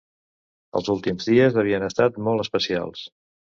Els últims dies havien estat molt especials.